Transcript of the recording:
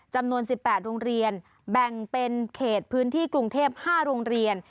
จำนวน๑๘โรงเรียนแบ่งเป็นเขตพื้นที่กรุงเทพ๕โรงเรียน